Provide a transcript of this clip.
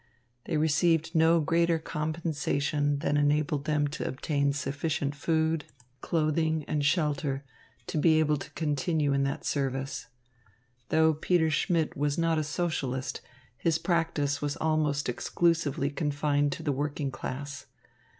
They received no greater compensation than enabled them to obtain sufficient food, clothing and shelter to be able to continue in that service. Though Peter Schmidt was not a Socialist, his practice was almost exclusively confined to the working class.